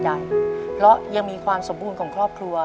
แล้วยังมีความสมบูรณ์ของครอบครัว